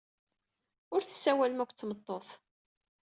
La tessawalem akked tmeṭṭut.